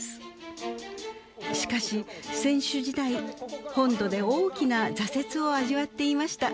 しかし選手時代本土で大きな挫折を味わっていました。